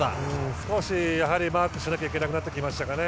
少し、マークしなきゃいけなくなってきましたかね。